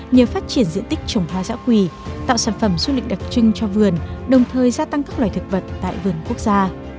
nhờ phát triển diện tích trồng hoa dã quỳ tạo sản phẩm du lịch đặc trưng cho vườn đồng thời gia tăng các loài thực vật tại vườn quốc gia